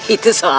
itu soal muda